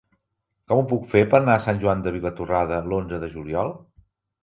Com ho puc fer per anar a Sant Joan de Vilatorrada l'onze de juliol?